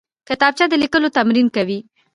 کتابچه د لیکلو تمرین کوي